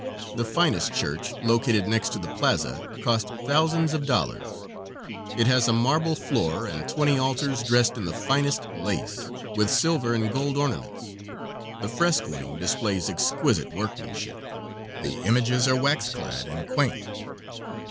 The finest church, located next to the plaza, cost thousands of dollars. It has a marble floor and twenty altars, dressed in the finest lace, with silver and gold ornaments. The frescoing displays exquisite workmanship. The images are wax clad, and quaint.